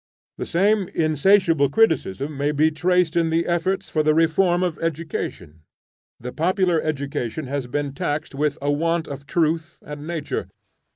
The same insatiable criticism may be traced in the efforts for the reform of Education. The popular education has been taxed with a want of truth and nature.